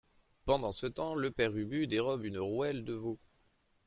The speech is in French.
Pendant ce temps le Père Ubu dérobe une rouelle de veau.